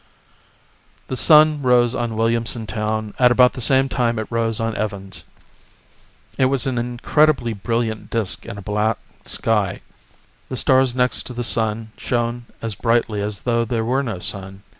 The sun rose on Williamson Town at about the same time it rose on Evans. It was an incredibly brilliant disk in a black sky. The stars next to the sun shone as brightly as though there were no sun.